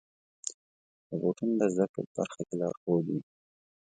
روبوټونه د زدهکړې په برخه کې لارښود وي.